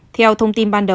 theo thông tin